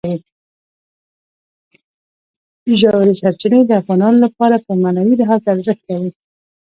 ژورې سرچینې د افغانانو لپاره په معنوي لحاظ ارزښت لري.